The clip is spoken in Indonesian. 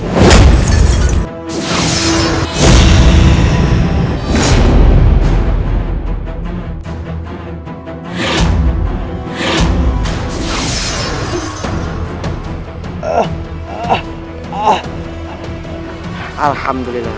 dia lebih dekat